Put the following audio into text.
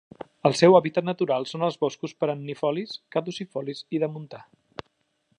El seu hàbitat natural són els boscos perennifolis, caducifolis i de montà.